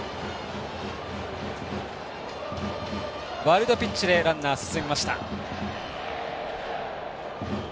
ワイルドピッチでランナー進みました。